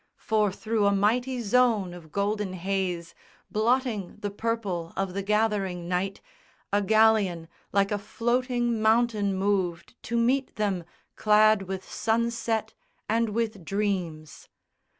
For through a mighty zone of golden haze Blotting the purple of the gathering night A galleon like a floating mountain moved To meet them, clad with sunset and with dreams.